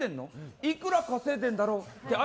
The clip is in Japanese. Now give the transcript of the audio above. いくら稼いでるんだろう。